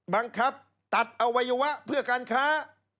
บังคับตัดอวัยวะเพื่อการค้า